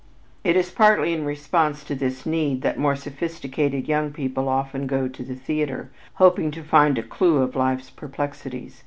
It is partly in response to this need that more sophisticated young people often go to the theater, hoping to find a clue to life's perplexities.